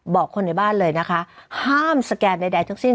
บอกคนในบ้านเลยนะคะห้ามสแกนใดทั้งสิ้น